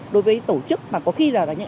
đối với tổ chức mà có khi là những